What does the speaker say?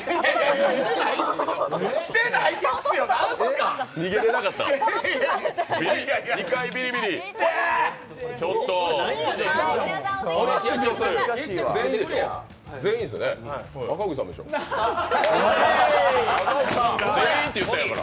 してないですよ、なんすか！？